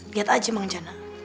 lihat aja bang jana